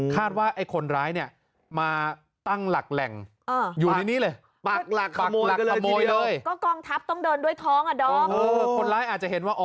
ก็กองทัพต้องเดินด้วยท้องอะโด๊กโอ้โหคนร้ายอาจจะเห็นว่าอ๋อ